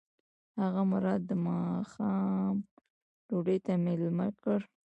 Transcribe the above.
هغه مراد د ماښام ډوډۍ ته مېلمه کړ.